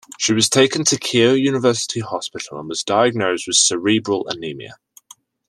She was taken to Keio University Hospital and was diagnosed with cerebral anemia.